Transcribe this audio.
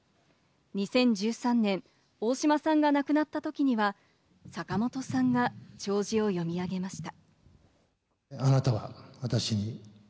２０１３年、大島さんが亡くなった時には坂本さんが弔辞を読み上げました。